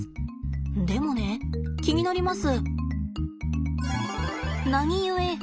でもね気になります。